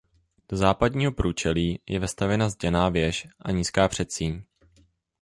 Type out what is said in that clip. Do západního průčelí je vestavěna zděná věž a nízká předsíň.